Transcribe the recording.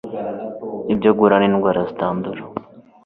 ibyo guhura n'indwara zitandura nk'iz'umutima